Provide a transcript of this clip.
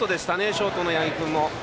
ショートの八木君も。